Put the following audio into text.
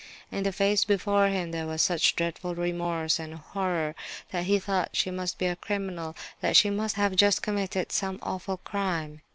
In the face before him there was such dreadful remorse and horror that he thought she must be a criminal, that she must have just committed some awful crime.